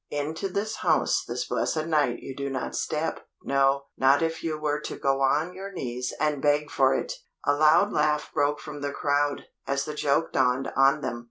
Into this house this blessed night you do not step. No, not if you were to go on your knees and beg for it!" A loud laugh broke from the crowd, as the joke dawned on them.